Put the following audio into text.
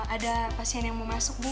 ada pasien yang mau masuk bu